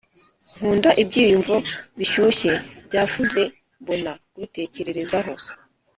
nkunda ibyiyumvo bishyushye bya fuzzy mbona kubitekerezaho